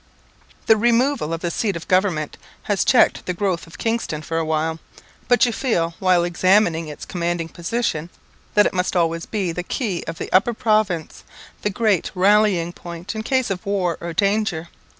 The removal of the seat of government has checked the growth of Kingston for a while; but you feel, while examining its commanding position, that it must always be the key of the Upper Province, the great rallying point in case of war or danger.